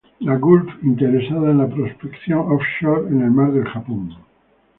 La Gulf, interesada en la prospección offshore en el Mar del Japón.